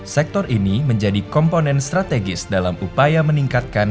sektor ini menjadi komponen strategis dalam upaya meningkatkan